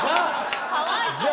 かわいそう。